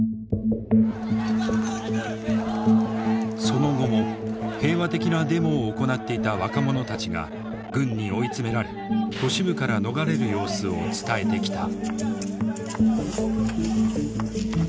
その後も平和的なデモを行っていた若者たちが軍に追い詰められ都市部から逃れる様子を伝えてきた。